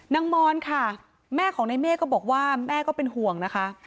มอนค่ะแม่ของในเมฆก็บอกว่าแม่ก็เป็นห่วงนะคะ